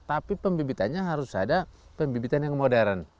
tapi pembibitannya harus ada pembibitan yang modern